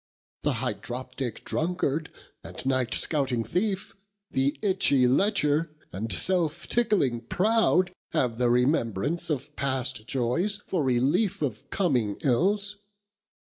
Th'hydroptique drunkard, and night scouting thiefe, The itchy Lecher, and selfe tickling proud Have the remembrance of past joyes, for reliefe Of comming ills.